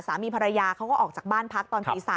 สามีภรรยาเขาก็ออกจากบ้านพักตอนตี๓